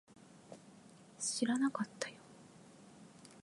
知らなかったよ